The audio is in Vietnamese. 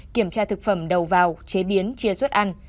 kiểm tra thực phẩm đầu vào chế biến chia xuất ăn